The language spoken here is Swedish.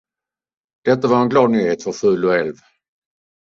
Detta var en glad nyhet för Fuluälv.